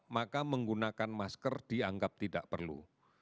maka menggunakan masker dianggap tidak perlu